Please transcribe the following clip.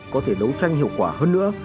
có thể đấu tranh hiệu quả hơn nữa